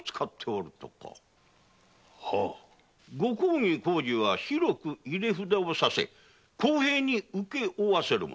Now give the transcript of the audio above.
ご公儀工事は広く入れ札をさせ公平に請け負わせるもの。